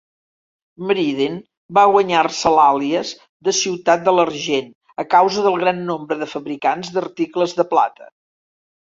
Meriden va guanyar-se l'àlies de "ciutat de l'argent" a causa del gran nombre de fabricants d'articles de plata.